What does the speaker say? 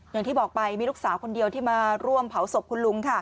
อย่างที่บอกไปมีลูกสาวคนเดียวที่มาร่วมเผาศพคุณลุง